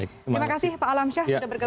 terima kasih pak alam syah sudah bergembang